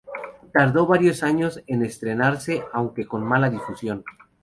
Tardó varios años en estrenarse, aunque con mala difusión.